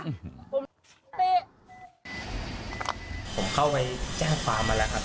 ผมเตะผมเข้าไปแจ้งความมาแล้วครับ